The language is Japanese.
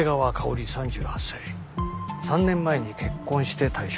３年前に結婚して退職。